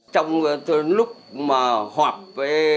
trong lúc mà họp